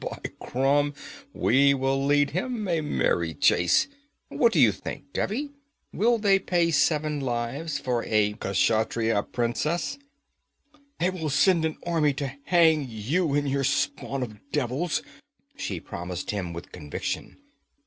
'By Crom, we will lead him a merry chase! What do you think, Devi will they pay seven lives for a Kshatriya princess?' 'They will send an army to hang you and your spawn of devils,' she promised him with conviction.